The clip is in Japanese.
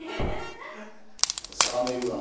魚いるかな。